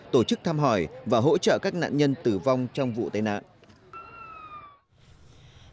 tổ chức thăm hỏi và hỗ trợ các nạn nhân tử vong trong vụ tai nạn